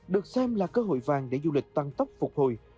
được xem là cơ hội vàng để du lịch tăng tốc phục hồi